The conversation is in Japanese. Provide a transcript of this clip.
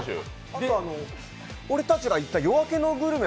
あと、俺たちが行った「夜明けのグルメ」